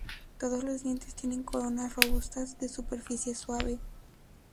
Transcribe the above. Todos los dientes tienen coronas robustas de superficie suave.